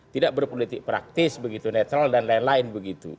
tidak berpolitik praktis begitu netral dan lain lain begitu